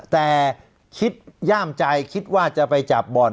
แต่คิดย่ามใจคิดว่าจะไปจับบ่อน